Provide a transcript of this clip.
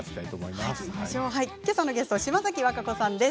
けさのゲストは島崎和歌子さんです。